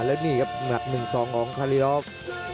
และนี่ครับหนัก๑๒ของคารีลอฟ